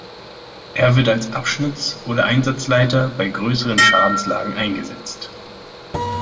Er wird als Abschnitts- oder Einsatzleiter bei größeren Schadenslagen eingesetzt.